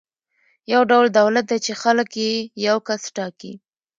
یو ډول دولت دی چې خلک یې یو کس ټاکي.